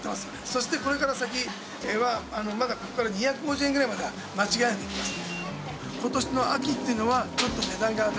そしてこれから先はまだここから２５０円ぐらいまでは間違いなくいきますね。